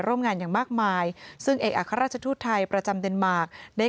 ร่วมงานอย่างมากมายซึ่งเอกอัครราชทูตไทยประจำเดนมาร์คได้